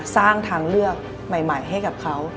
สร้างทางเลือกใหม่ให้กับเขา